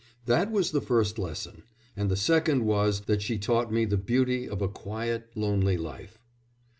That was the first lesson. And the second was that she taught me the beauty of a quiet, lonely life."